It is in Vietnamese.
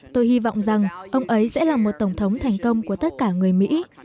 tôi hy vọng rằng ông ấy sẽ là một tổng thống thành công của tất cả người mỹ